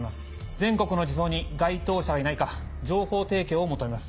全国の児相に該当者がいないか情報提供を求めます。